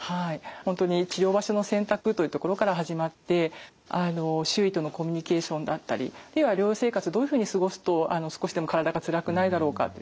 本当に治療場所の選択というところから始まって周囲とのコミュニケーションだったり療養生活をどういうふうに過ごすと少しでも体がつらくないだろうかっていうこと。